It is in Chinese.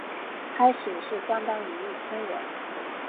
开始是相当于一千文。